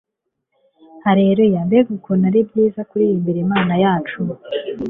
alleluya! mbega ukuntu ari byiza kuririmba imana yacu